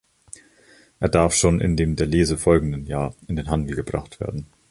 Er darf schon in dem der Lese folgenden Jahr in den Handel gebracht werden.